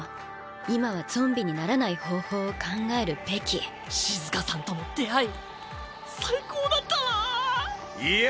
今はゾンビにならない方法を考えるべきシズカさんとの出会い最高だったなぁいや